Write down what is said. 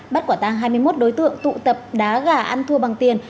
bắt quả tăng hai mươi một đối tượng tụ tập đá gà ăn thua bằng tiền